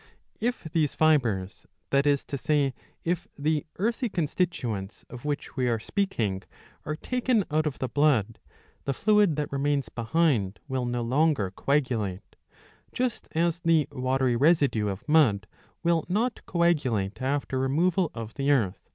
^ If these fibres, that is to say if the earthy con stituents of which we are speaking, are taken out of the blood, the fluid that remains behind will no longer coagulate ; just as the watery residue of mud will not coagulate after removal of the earth.